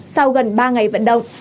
sau gần ba ngày vận động